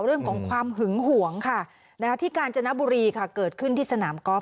เรื่องของความหึงหวงค่ะที่กาญจนบุรีค่ะเกิดขึ้นที่สนามกอล์